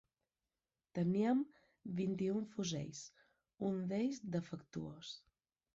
Teníem vint-i-un fusells, un d'ells defectuós